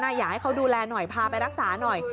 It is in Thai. อยากให้เขาดูแลหน่อยพาไปรักษาหน่อย